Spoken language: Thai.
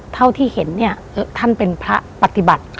เท่าที่เห็นเนี่ยท่านเป็นพระปฏิบัติ